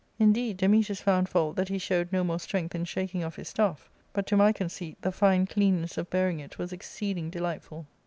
Indeed, Dametas found fault that he showed no more strength in shaking of his staff, but to my conceit the fine cleanness of bearing it was exceed ing delightful.